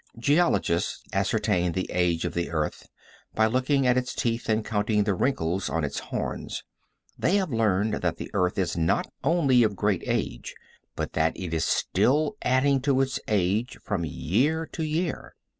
Geologists ascertain the age of the earth by looking at its teeth and counting the wrinkles on its horns. They have learned that the earth is not only of great age, but that it is still adding to its age from year to year.